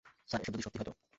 Sir, এসব যদি সত্যি হয়, তো?